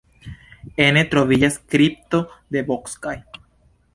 Ene troviĝas kripto de Bocskai.